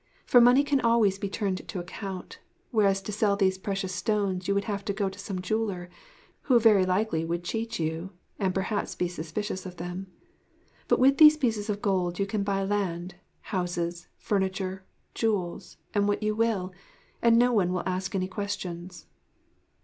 For money can always be turned to account, whereas to sell these precious stones you would have to go to some jeweller, who very likely would cheat you, and perhaps be suspicious of them. But with these pieces of gold you can buy land, houses, furniture, jewels what you will and no one will ask any questions.'